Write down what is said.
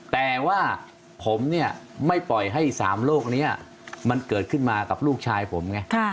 แต่ว่าผมเนี่ยไม่ปล่อยให้๓โลกนี้มันเกิดขึ้นมากับลูกชายผมไง